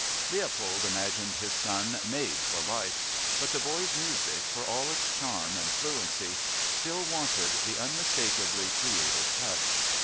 Leopold imagined his son "made" for life. But the boy's music, for all its charm and fluency, still wanted the unmistakably creative touch.